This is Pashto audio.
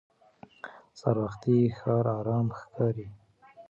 سهار وختي ښار ارام ښکاري